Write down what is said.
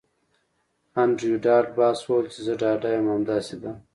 انډریو ډاټ باس وویل چې زه ډاډه یم همداسې ده